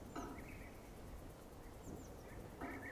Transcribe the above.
Eric lo reconoce como Michael, uno de sus informantes.